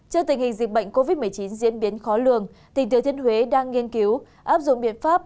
trước tình hình dịch bệnh covid một mươi chín diễn biến khó lường tỉnh thừa thiên huế đang nghiên cứu áp dụng biện pháp